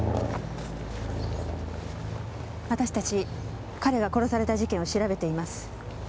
私たち彼が殺された事件を調べています。